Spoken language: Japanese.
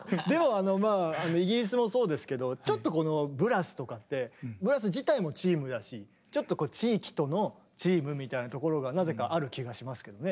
でもまあイギリスもそうですけどちょっとこのブラスとかってブラス自体もチームだしちょっと地域とのチームみたいなところがなぜかある気がしますけどね。